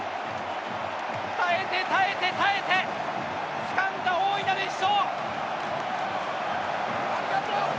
耐えて耐えて耐えてつかんだ大いなる一勝！